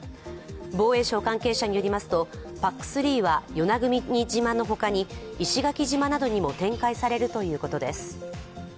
防衛省関係者によりますとＰＡＣ３は与那国島の他に石垣島などにも展開されるということです。